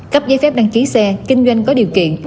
cấp giấy phép đăng ký xe kinh doanh có điều kiện